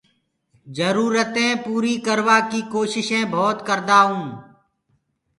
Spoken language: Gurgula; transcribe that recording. جرورتينٚ پوريٚ ڪروائيٚ ڪوشيشينٚ ڀوَت ڪردآئونٚ